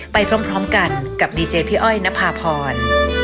ไปพร้อมกันกับดีเจพี่อ้อยนภาพร